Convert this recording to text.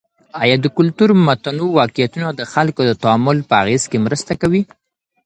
آیا د کلتور متنوع واقعيتونه د خلګو د تعامل په اغیز کي مرسته کوي؟